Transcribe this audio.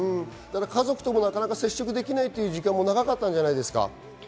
家族ともなかなか接触できないという時間も長かったんじゃないですか？